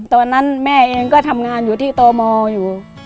ตอนนั้นแม่เองก็ทำงานอยู่ที่ตมอยู่